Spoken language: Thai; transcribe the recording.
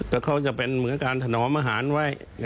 แล้วเขาจะเป็นเหมือนการถนอมอาหารไว้